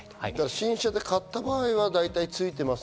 新車で買った場合は大体ついてます